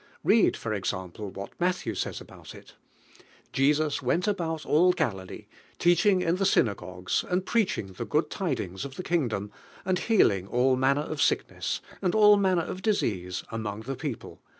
Head for example what Mat thew says alioiil il: "Jesus went allied all UIVINK ITl.M.I^:. 183 Galilee, teaching in the synagogues, ami preaching the goad tidings of the king dom, and healing all manner of sickness, and all manner of disease among the people.